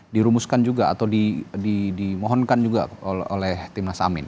dirumuskan juga atau dimohonkan juga oleh timnas amin